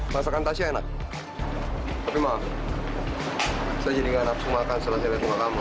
masakan tasya enak tapi maaf saya jadi gak nafsu makan setelah saya lihat rumah kamu